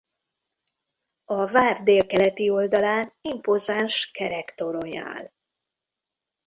A vár délkeleti oldalán impozáns kerek torony áll.